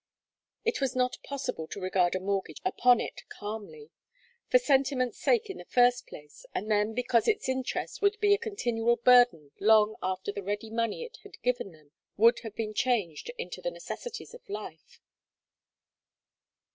It was not possible to regard a mortgage upon it calmly; for sentiment's sake in the first place, and then because its interest would be a continual burden long after the ready money it had given them would have been changed into the necessities of life.